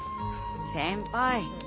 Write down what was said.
先輩。